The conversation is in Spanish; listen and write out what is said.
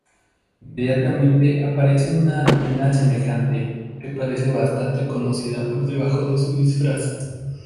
Inmediatamente aparece una adivina semejante, que parece bastante conocida por debajo de su disfraz.